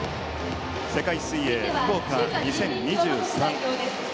世界水泳福岡２０２３。